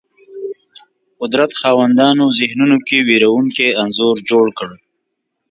قدرت خاوندانو ذهنونو کې وېرونکی انځور جوړ کړ